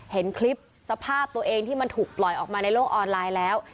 เห็นคลิปสภาพตัวเองที่มันถูกปล่อยออกมาในโลกออนไลน์แล้ว